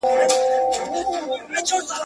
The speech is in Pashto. نه يې ورك سول په سرونو كي زخمونه!